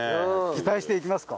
期待していきますか。